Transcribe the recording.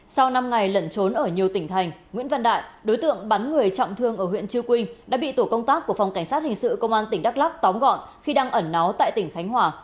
sau năm ngày lẩn trốn ở nhiều tỉnh thành nguyễn văn đại đối tượng bắn người trọng thương ở huyện chư quynh đã bị tổ công tác của phòng cảnh sát hình sự công an tỉnh đắk lắk tóm gọn khi đang ẩn náu tại tỉnh khánh hòa